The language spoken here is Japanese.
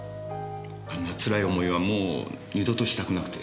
あんなつらい思いはもう二度としたくなくて。